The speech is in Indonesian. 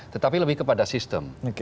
tetapi lebih kepada sistem